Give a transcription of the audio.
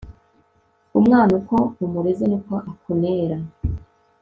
umwana uko umureze niko akunera